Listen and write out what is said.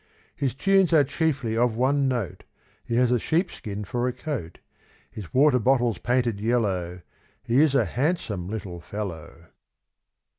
His tunes are chiefly of one note, He has a sheepskin for a coat, His water bottle's painted yellow, He is a handsome little fellow.